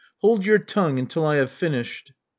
Hold your tongue until I have finished."